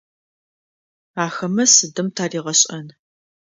Ахэмэ сыдым таригъэшӏэн?